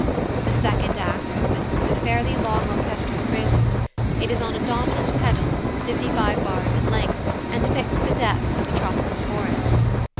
The second act opens with a fairly long orchestral prelude; it is on a dominant pedal, fifty five bars in length, and depicts the depths of a tropical forest.